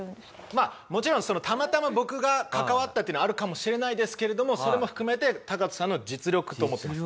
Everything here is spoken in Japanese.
まあもちろんたまたま僕が関わったっていうのあるかもしれないですけれどもそれも含めてタカトさんの実力と思ってます。